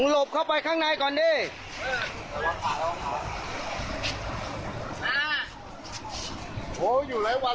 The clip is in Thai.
รอไปจากนั้นเลย